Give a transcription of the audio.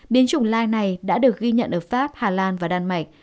biến chủng lai này đã được ghi nhận ở pháp hà lan và đan mạch